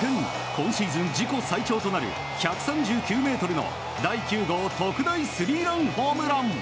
今シーズン自己最長となる１３９ｍの第９号特大スリーランホームラン。